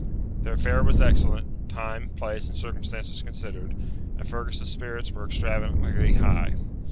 Their fare was excellent, time, place, and circumstances considered, and Fergus's spirits were extravagantly high.